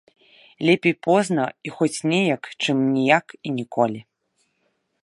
Лепей позна і хоць неяк, чым ніяк і ніколі.